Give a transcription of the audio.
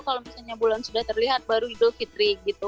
kalau misalnya bulan sudah terlihat baru idul fitri gitu